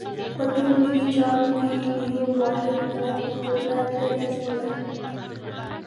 په ټولو ملي چارو کې د یو واحد ملت په توګه دریځ ولرو.